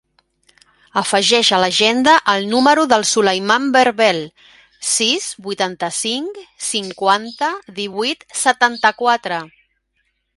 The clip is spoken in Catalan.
Afegeix a l'agenda el número del Sulaiman Berbel: sis, vuitanta-cinc, cinquanta, divuit, setanta-quatre.